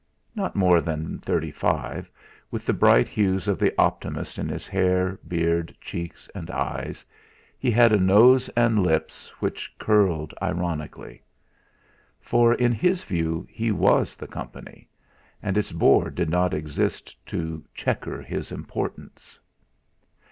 Not more than thirty five, with the bright hues of the optimist in his hair, beard, cheeks, and eyes, he had a nose and lips which curled ironically. For, in his view, he was the Company; and its Board did but exist to chequer his importance.